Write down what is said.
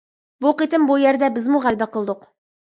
بۇ قېتىم بۇ يەردە بىزمۇ غەلىبە قىلدۇق.